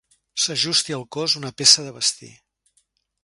S'ajusti al cos una peça de vestir.